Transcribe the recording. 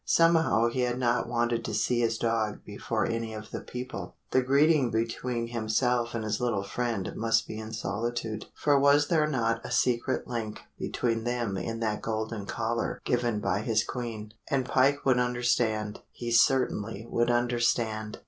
Somehow he had not wanted to see his dog before any of the people; the greeting between himself and his little friend must be in solitude, for was there not a secret link between them in that golden collar given by his Queen? And Pike would understand he certainly would understand!